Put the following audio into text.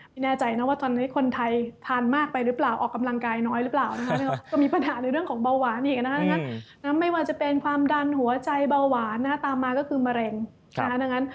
ไม่แน่ใจนะว่าตอนนี้คนไทยทานมากไปหรือเปล่าออกกำลังกายน้อยหรือเปล่านะคะก็มีปัญหาในเรื่องของเบาหวานอีกนะฮะไม่ว่าจะเป็นความดันหัวใจเบาหวานตามมาก็คือมะเร็งนะคะดังนั้น